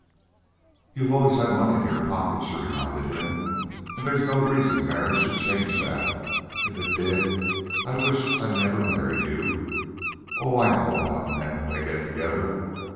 "You've always had money in your pocket," she reminded him, "and there's no reason marriage should change that. If it did, I'd wish I'd never married you. Oh, I know about men when they get together.